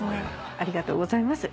ありがとうございます。